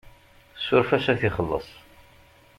Suref-as ad t-ixelleṣ.